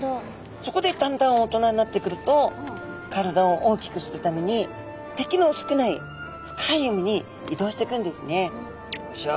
そこでだんだん大人になってくると体を大きくするために敵の少ない深い海に移動してくんですね。